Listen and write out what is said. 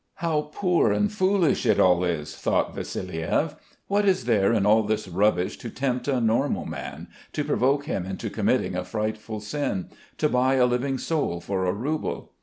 "How poor and foolish it all is!" thought Vassiliev. "What is there in all this rubbish to tempt a normal man, to provoke him into committing a frightful sin, to buy a living soul for a rouble?